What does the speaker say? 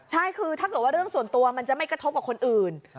ใช่คือถ้าเกิดว่าเรื่องส่วนตัวมันจะไม่กระทบกับคนอื่น